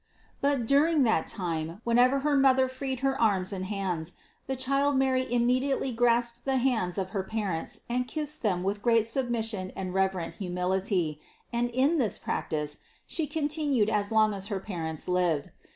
But during that time, when ever her mother freed her arms and hands, the child Mary immediately grasped the hands of her parents and kissed them with great submission and reverent humility, and in this practice She continued as long as her parents lived.